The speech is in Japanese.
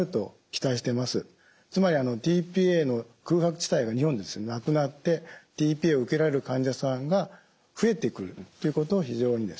つまりｔ−ＰＡの空白地帯が日本でなくなってｔ−ＰＡを受けられる患者さんが増えてくるということを非常に期待してるとこでございます。